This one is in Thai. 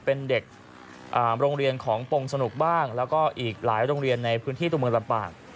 เป็นเด็กโรงเรียนของปงสนุกบ้างแล้วก็อีกหลายโรงเรียนในพื้นที่ตัวเมืองลำปาง